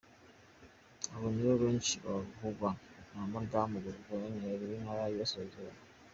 Aba nibo benshi bavugwa na madamu Guverineri w’Intara y’Iburasirazuba.